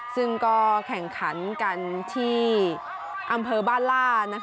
ซึ่งก็แข่งขันกันที่อำเภอบ้านล่า